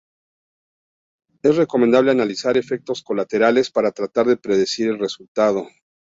Es recomendable analizar efectos colaterales, para tratar de predecir el resultado.